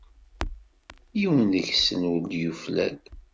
Yiwen deg-sen ur-d yuflal.